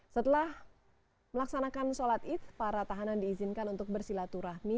setelah melaksanakan sholat id para tahanan diizinkan untuk bersilaturahmi